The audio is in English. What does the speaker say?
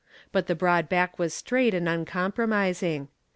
But the broad back was straight and uncompromising.